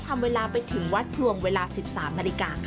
ทำเวลาไปถึงวัดพลวงเวลา๑๓นาฬิกาค่ะ